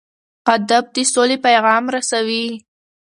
ادب د سولې پیغام رسوي.